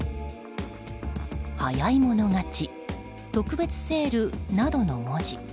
早い者勝ち特別セールなどの文字。